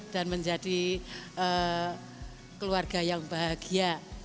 dan menjadi keluarga yang bahagia